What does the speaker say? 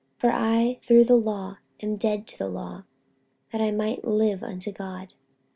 48:002:019 For I through the law am dead to the law, that I might live unto God.